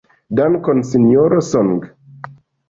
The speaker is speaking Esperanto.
Dankon, Sinjoro Song.